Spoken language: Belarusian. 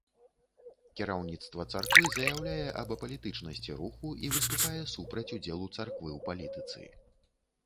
Кіраўніцтва царквы заяўляе аб апалітычнасці руху і выступае супраць удзелу царквы ў палітыцы.